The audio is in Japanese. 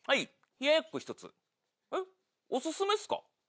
冷ややっこ１つえっお薦めっすか？